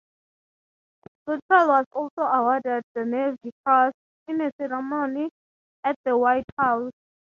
Luttrell was also awarded the Navy Cross, in a ceremony at the White House.